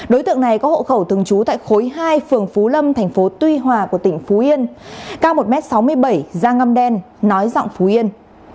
đối tượng này có hộ khẩu thường trú tại khối hai phường phú lâm thành phố tuy hòa của tỉnh phú yên cao một m sáu mươi bảy giang ngâm đen nói giọng phú yên